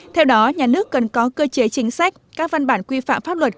theo đó nhà nước cần có cơ chế chính sách các văn bản quy phạm pháp luật